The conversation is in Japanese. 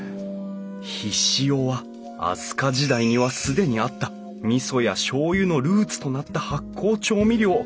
醤は飛鳥時代には既にあったみそやしょう油のルーツとなった発酵調味料！